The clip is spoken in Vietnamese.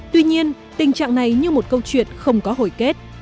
tuy nhiên tình trạng này như một câu chuyện không có hồi kết